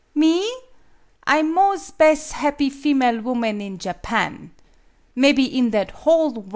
Me ? I 'm mos' bes' happy female woman in Japan mebby in that whole worl'.